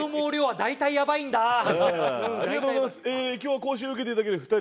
今日講習受けていただける２人？